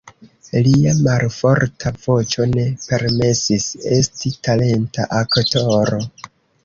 Lia malforta voĉo ne permesis esti talenta aktoro.